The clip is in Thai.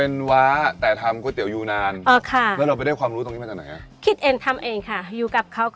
นี่ก็ยังสาวอยู่